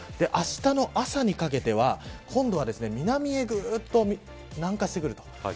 あしたの朝にかけては今度は南へぐーっと南下してくる。